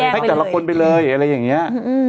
ให้แต่ละคนไปเลยอะไรอย่างนี้